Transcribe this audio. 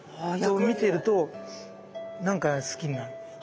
見てると何か好きになる。